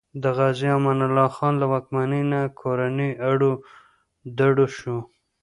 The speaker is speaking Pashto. د غازي امان الله خان له واکمنۍ نه کورنی اړو دوړ شو.